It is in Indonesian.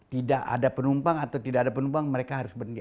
tidak ada penumpang atau tidak ada penumpang mereka harus pergi